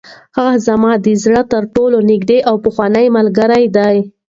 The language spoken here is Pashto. هغه زما د زړه تر ټولو نږدې او پخوانۍ ملګرې ده.